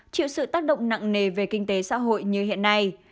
chịu sự tác động nặng nề về kinh tế xã hội như hiện nay